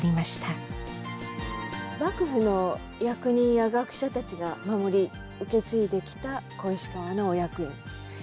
幕府の役人や学者たちが守り受け継いできた小石川の御薬園。